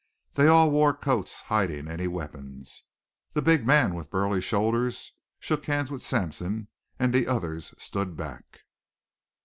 They all wore coats, hiding any weapons. The big man with burly shoulders shook hands with Sampson and the others stood back.